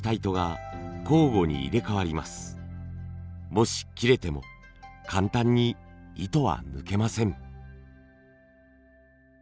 もし切れても簡単に糸は抜けません。